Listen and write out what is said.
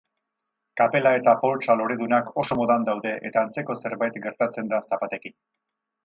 Kapela eta poltsa loredunak oso modan daude eta antzeko zerbait gertatzen da zapatekin.